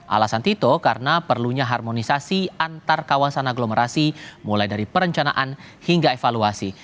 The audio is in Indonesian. alasan tito karena perlunya harmonisasi antar kawasan aglomerasi mulai dari perencanaan hingga evaluasi